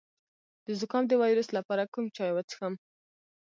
د زکام د ویروس لپاره کوم چای وڅښم؟